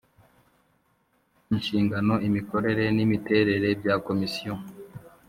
inshingano imikorere n imiterere bya komisiyo